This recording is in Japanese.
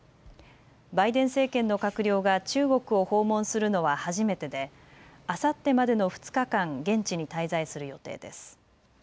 バイデン政権の閣僚が中国を訪問するのは初めてであさってまでの２日間、現地に滞在する予定です。